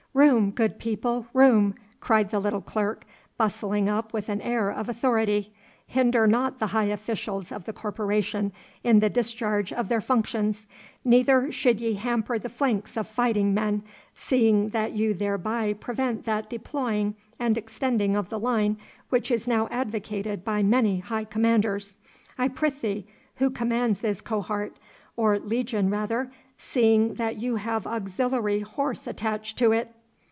'Room, good people, room! 'cried the little clerk, bustling up with an air of authority. 'Hinder not the high officials of the Corporation in the discharge of their functions. Neither should ye hamper the flanks of fighting men, seeing that you thereby prevent that deploying and extending of the line which is now advocated by many high commanders. I prythee, who commands this cohort, or legion rather, seeing that you have auxiliary horse attached to it?